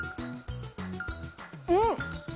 うん！